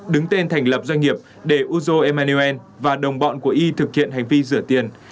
đứng tên thành lập doanh nghiệp để uzo emmanuel và đồng bọn của y thực hiện hành vi rửa tiền